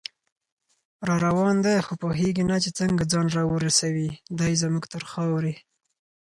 راروان دی خو پوهیږي نه چې څنګه، ځان راورسوي دی زمونږ تر خاورې